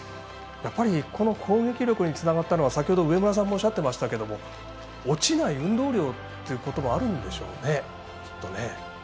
やっぱり攻撃力につながったのは先ほど上村さんもおっしゃってましたけど落ちない運動量ということもあるんでしょうね、きっとね。